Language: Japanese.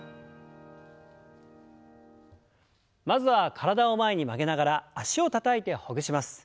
まずは体を前に曲げながら脚をたたいてほぐします。